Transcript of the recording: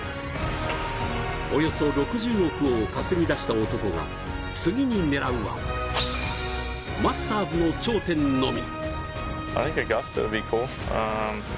およそ６０億を稼ぎだした男が次に狙うはマスターズの頂点のみ。